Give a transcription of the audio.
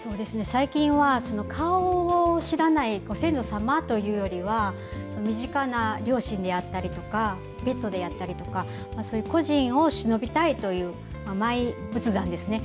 最近は、その顔を知らないご先祖様というよりは、身近な両親であったりとか、ペットであったりとか、そういう故人をしのびたいという、マイ仏壇ですね。